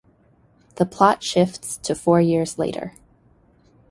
The plot shifts to four years later.